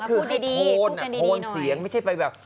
คือโทนโทนเสียงไม่ใช่ไปแบบ